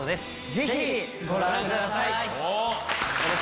ぜひご覧ください。